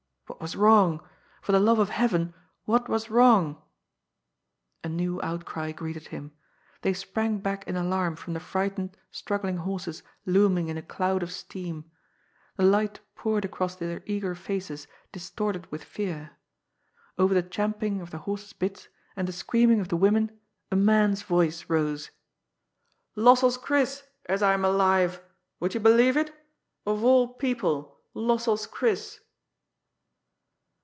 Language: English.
What was wrong? For the love of heaven, what was wrong? A new outcry greeted him. They sprang back in alarm from the frightened, struggling horses looming in a cloud of steam. The light poured across their eager faces dis torted with fear. Over the champing of the horses' bits and the screaming of the women a man's voice rose. "Lossell's Chris, as I'm alive! Would you believe it? Of all people, Lossell's Chris